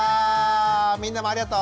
みんなもありがと。